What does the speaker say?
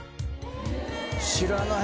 知らない！